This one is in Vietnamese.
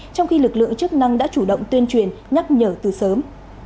trong khi lực lượng chức năng đã chủ động tuyên truyền nhắc nhở từ sớm